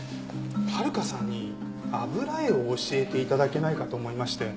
温香さんに油絵を教えて頂けないかと思いまして。